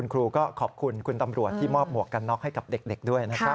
ครูก็ขอบคุณคุณตำรวจที่มอบหมวกกันน็อกให้กับเด็กด้วยนะครับ